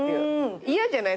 嫌じゃない？